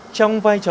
trong vai trò